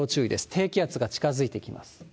低気圧が近づいてきます。